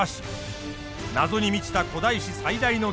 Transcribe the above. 謎に満ちた古代史最大の疑獄事件。